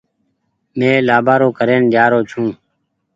مين لآبآرو ڪرين جآرو ڇون۔